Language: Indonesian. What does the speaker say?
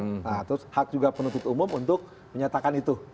nah terus hak juga penuntut umum untuk menyatakan itu